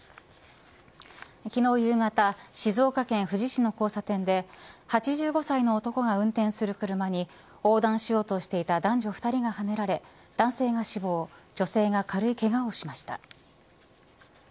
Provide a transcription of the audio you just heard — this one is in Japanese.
昨日、夕方静岡県富士市の交差点で８５歳の男が運転する車に横断しようとしていた男女２人がはねられ男性が死亡女性が軽いけがをしました。